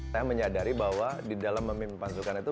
saya menyadari bahwa di dalam memimpin pasukan itu